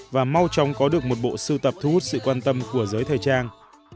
và mau chóng có được một bộ sưu tập thu hút sự quan tâm của giới thời trang